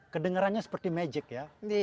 kedengerannya seperti magic ya